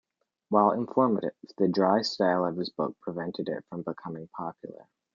While informative, the dry style of his book prevented it from becoming popular.